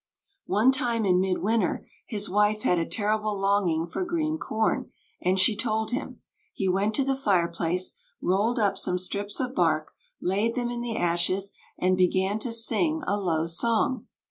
"One time in midwinter his wife had a terrible longing for green corn, and she told him. He went to the fireplace, rolled up some strips of bark, laid them in the ashes, and began to sing a low song.